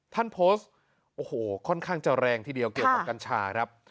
ท่านโพสต์โอ้โหค่อนข้างจะแรงทีเดียวเกี่ยวกับกัญชาครับ